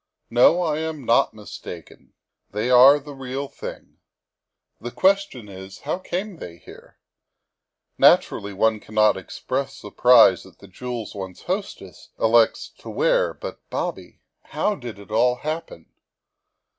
No, I am not mistaken. They are the real thing. The question is, how came they here? Naturally one cannot express surprise at the jewels one's hostess elects to wear, but, Bobby, how did it all happen?